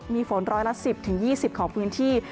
มีฝนร้อยละ๑๐๒๐ของพื้นที่